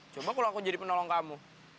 coba kalau aku jadi penolong kamu